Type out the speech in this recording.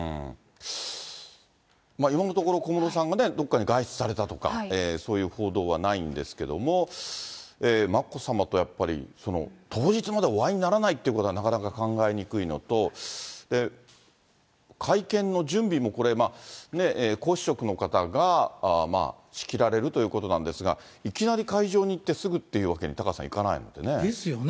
今のところ小室さんがどこかに外出されたとか、そういう報道はないんですけれども、眞子さまとやっぱり、当日までお会いにならないということはなかなか考えにくいのと、会見の準備もこれ、皇嗣職の方が仕切られるということなんですが、いきなり会場に行って、すぐっていうわけにタカさん、いかないですよね。